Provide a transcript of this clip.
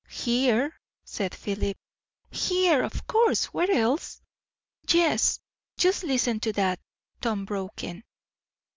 "Here " said Philip. "Here! Of course. Where else?" "Yes, just listen to that!" Tom broke in.